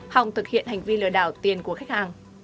hòng thực hiện hành vi lừa đảo tiền của khách hàng